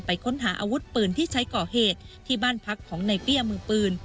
ค้นหาอาวุธปืนที่ใช้ก่อเหตุที่บ้านพักของในเปี้ยมือปืน